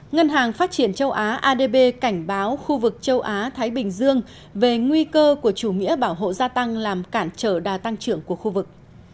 ngân hàng phát triển châu á adb cảnh báo khu vực châu á thái bình dương về nguy cơ của chủ nghĩa bảo hộ gia tăng làm cản trở đa tăng trưởng của khu vực